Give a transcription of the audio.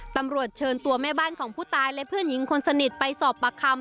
ตำรวจเชิญตัวแม่บ้านของผู้ตายและเพื่อนหญิงคนสนิทไปสอบปากคำ